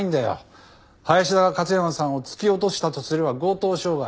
林田が勝山さんを突き落としたとすれば強盗傷害。